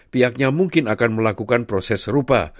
pihaknya mungkin akan melakukan proses serupa